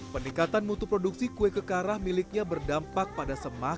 peningkatan mutu produksi kue kekarah miliknya berdampak pada semangat